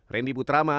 randy butrama bapak